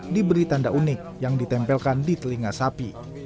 diberi tanda unik yang ditempelkan di telinga sapi